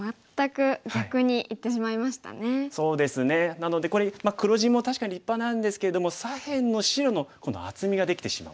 なのでこれ黒地も確かに立派なんですけれども左辺の白の今度厚みができてしまう。